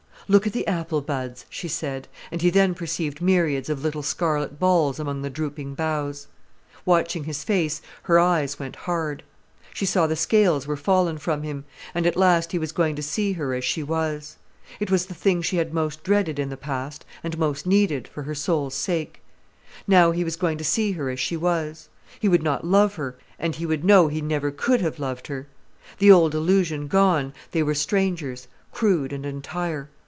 "Look at the apple buds," she said, and he then perceived myriads of little scarlet balls among the drooping boughs. Watching his face, her eyes went hard. She saw the scales were fallen from him, and at last he was going to see her as she was. It was the thing she had most dreaded in the past, and most needed, for her soul's sake. Now he was going to see her as she was. He would not love her, and he would know he never could have loved her. The old illusion gone, they were strangers, crude and entire.